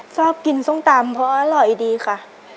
ชอบกินส้มตำเพราะอร่อยดีค่ะ